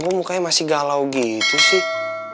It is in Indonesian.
aku mukanya masih galau gitu sih